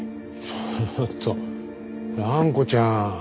ちょっと蘭子ちゃん。